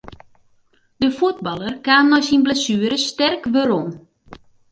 De fuotballer kaam nei syn blessuere sterk werom.